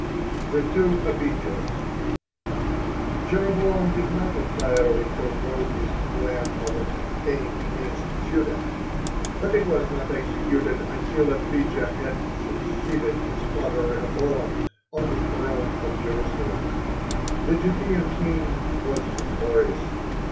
(15) THE TWO ABIJAHS Jeroboam did not entirely forego his plan of a campaign against Judah, but it was not executed until Abijah had succeeded his father Rehoboam on the throne of Jerusalem. The Judean king was victorious.